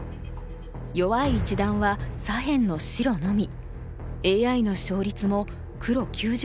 弱い一団は左辺の白のみ。